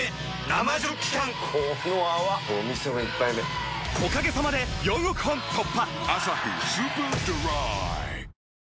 生ジョッキ缶この泡これお店の一杯目おかげさまで４億本突破！